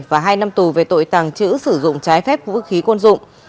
và hai năm tù về tội tàng trữ sử dụng trái phép vũ khí quân dụng